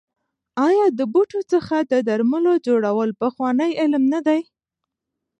آیا د بوټو څخه د درملو جوړول پخوانی علم نه دی؟